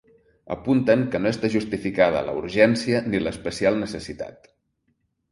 Apunten que no està justificada la urgència ni l’especial necessitat.